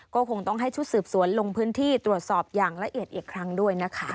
ก็คงต้องให้ชุดสืบสวนลงพื้นที่ตรวจสอบอย่างละเอียดอีกครั้งด้วยนะคะ